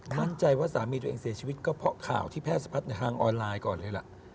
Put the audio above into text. มั่นใจว่าสามีตัวเองเสียชีวิตก็เพราะข่าวที่แพร่สะพัดในทางออนไลน์ก่อนเลยล่ะ